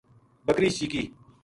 بکری شیکی